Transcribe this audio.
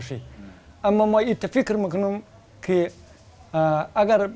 saya akan mati karena kesakitan